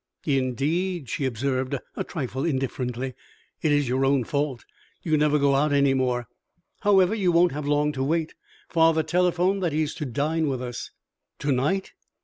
"Indeed!" she observed, a trifle indifferently. "It is your own fault. You never go out any more. However, you won't have long to wait. Father telephoned that he is to dine with us." "To night?"